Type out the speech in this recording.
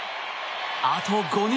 あと５人。